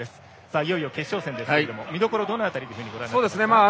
いよいよ決勝戦ですが見どころ、どの辺りとご覧になりますか？